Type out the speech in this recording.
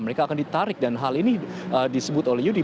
mereka akan ditarik dan hal ini disebut oleh yudi